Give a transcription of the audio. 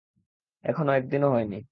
এখনো একদিনও হয়নি!